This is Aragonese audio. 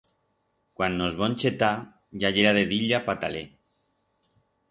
Cuan nos vom chetar ya yera de diya pataler.